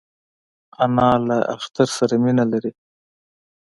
انا له اختر سره مینه لري